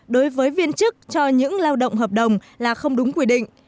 đối với viên chức cho những lao động hợp đồng là không đúng quy định